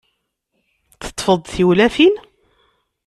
Teṭṭfeḍ-d tiwlafin?